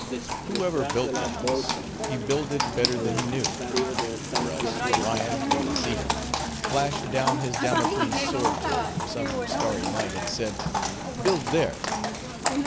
Whoever built the house, he builded better than he knew; or else Orion in the zenith flashed down his Damocles' sword to him some starry night, and said, "Build there."